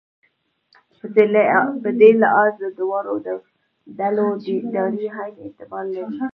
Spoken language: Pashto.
په دې لحاظ د دواړو ډلو دینداري عین اعتبار لري.